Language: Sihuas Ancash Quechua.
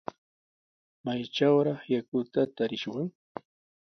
¿Maytrawraq yakuta tarishwan?